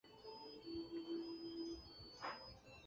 里弗顿下属的一座城市。